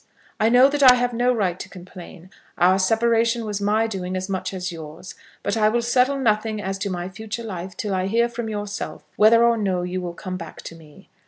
I know that I have no right to complain. Our separation was my doing as much as yours. But I will settle nothing as to my future life till I hear from yourself whether or no you will come back to me.